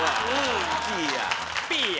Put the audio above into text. ピーヤ。